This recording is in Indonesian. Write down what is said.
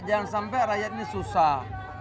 jangan sampai rakyat ini susah